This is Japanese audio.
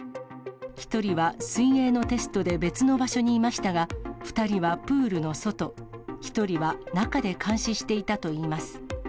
１人は水泳のテストで別の場所にいましたが、２人はプールの外、１人は中で監視していたといいます。